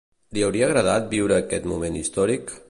Li hauria agradat viure aquest moment històric?